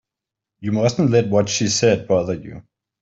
You mustn't let what she said bother you.